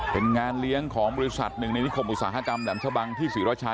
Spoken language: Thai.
เป็นงานเลี้ยงของบริษัทหนึ่งในนิคมอุตสาหกรรมแหลมชะบังที่ศรีราชา